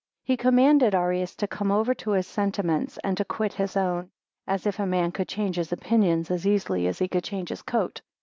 He commanded Arius to come over to his sentiments, and to quit his own; as if a man could change his opinions as easily as he can change his coat!